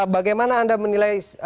bagaimana anda menilai